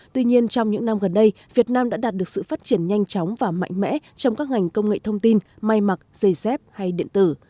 tuy nhiên trong những năm gần đây việt nam đã đạt được sự phát triển nhanh chóng và mạnh mẽ trong các ngành công nghệ thông tin may mặc dây dép hay điện tử